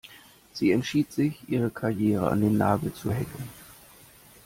Sie entschied sich, ihre Karriere an den Nagel zu hängen.